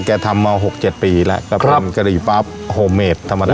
แกทำมาหกเจ็ดปีแล้วกะหริบโฮเมดฯธรรมดา